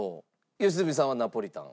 良純さんはナポリタン？